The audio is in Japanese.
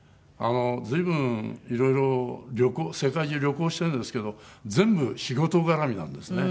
随分いろいろ旅行世界中旅行してるんですけど全部仕事絡みなんですね。